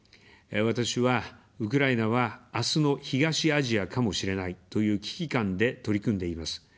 私は「ウクライナは、あすの東アジアかもしれない」という危機感で取り組んでいます。